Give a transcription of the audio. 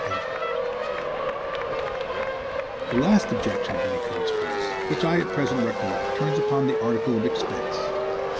"(4) The last objection of any consequence, which I at present recollect, turns upon the article of expense.